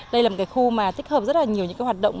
đây là một cái khu mà tích hợp rất là nhiều những cái hoạt động